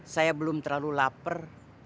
saya belum terlalu lapar